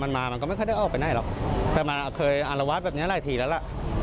มันมามันก็ไม่ค่อยได้ออกไปไหนหรอกแต่มันเคยอารวาสแบบนี้หลายทีแล้วล่ะ